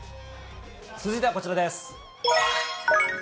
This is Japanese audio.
続いてはこちらです。